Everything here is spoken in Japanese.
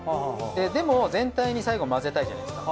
でも全体に最後混ぜたいじゃないですか。